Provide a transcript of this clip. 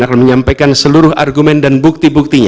akan menyampaikan seluruh argumen dan bukti buktinya